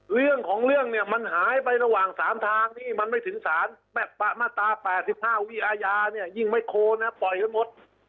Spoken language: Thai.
เรื่องของเรื่องเนี่ยมันหายไประหว่าง๓ทางนี่มันไม่ถึงสารมาตรา๘๕วิอาญาเนี่ยยิ่งไม่โคนนะปล่อยให้หมด